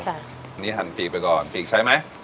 อันนี้หั่นปีกไปก่อนปีกใช้ไหม